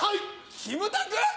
キムタク？